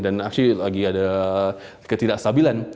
dan actually lagi ada ketidakstabilan